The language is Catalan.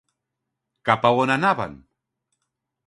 Cap a on anaven?